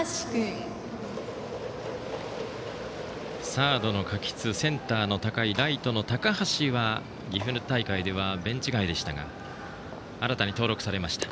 サードの垣津、センターの高井ライトの高橋は岐阜大会ではベンチ外でしたが新たに登録されました。